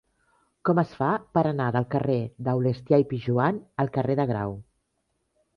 Com es fa per anar del carrer d'Aulèstia i Pijoan al carrer de Grau?